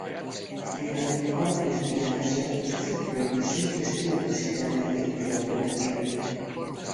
Dél-Amerika és Dél-Ázsia szubtrópusi és trópusi területein fordulnak elő.